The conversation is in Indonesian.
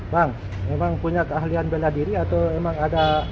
bang emang punya keahlian benda diri atau emang ada